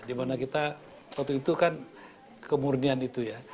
dimana kita waktu itu kan kemurnian itu ya